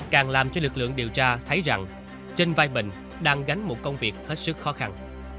càng làm cho lực lượng điều tra thấy rằng trên vai bình đang gánh một công việc hết sức khó khăn